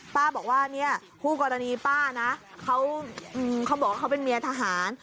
ป้าบอกว่าเนี่ยคู่กรณีป้านะเขาบอกว่าเขาเป็นเมียทหาร